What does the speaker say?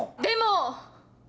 でも！